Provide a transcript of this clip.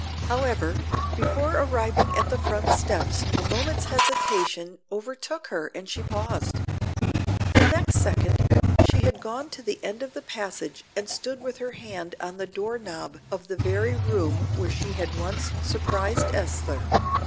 However, before arriving at the front steps a moment's hesitation overtook her and she paused. The next second she had gone to the end of the passage and stood with her hand on the door knob of the very room where she had once surprised Esther.